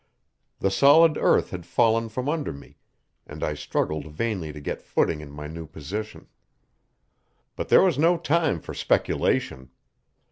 The solid earth had fallen from under me, and I struggled vainly to get footing in my new position. But there was no time for speculation.